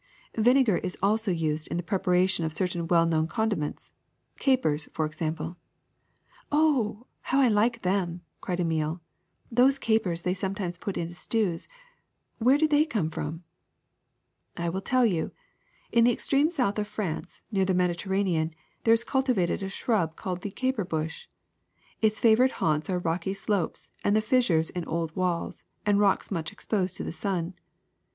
''*^ Vinegar is also used in the preparation of cer tain well kno^Ti condiments — capers, for example.'' 0h, how I like them!" cried Emile, 'Hhose capers they sometimes put into stews. Where do they come from?" I will tell you. In the extreme south of France, near the Mediterranean, there is cultivated a shrub called the caper bush. Its favorite haunts are rocky slopes and the fissures in old walls and rocks much Caper Bush exposed to the sun.